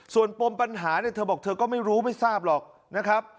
ส่วนปมปัญหาเนี่ยเธอบอกเธอก็ไม่รู้ไม่ทราบหรอกนะครับ